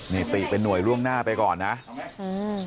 นี่ติเป็นหน่วยล่วงหน้าไปก่อนนะอืม